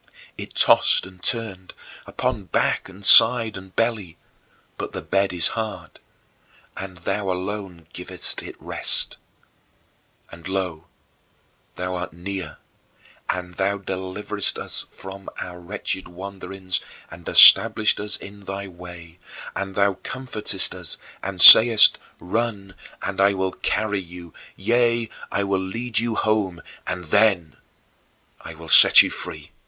It tossed and turned, upon back and side and belly but the bed is hard, and thou alone givest it rest. And lo, thou art near, and thou deliverest us from our wretched wanderings and establishest us in thy way, and thou comfortest us and sayest, "Run, I will carry you; yea, I will lead you home and then I will set you free."